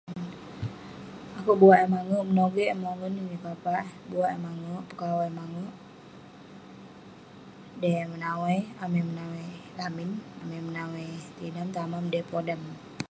Akouk buak eh mange', [unintelligible] eh, mongen eh, nyekapah eh, buak eh mange', pakawu eh mange'. Dei eh menawai, amai menawai lamin, amai menawai tinam tamam ; dei podam.